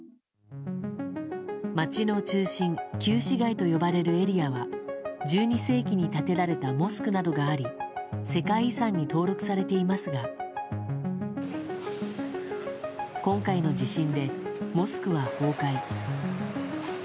街の中心旧市街と呼ばれるエリアは１２世紀に建てられたモスクなどがあり世界遺産に登録されていますが今回の地震でモスクは崩壊。